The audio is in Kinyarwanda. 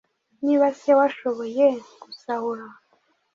Niba se washoboye gusahura